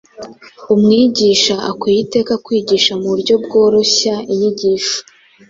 Umwigisha akwiriye iteka kwigisha mu buryo bworoshya inyigisho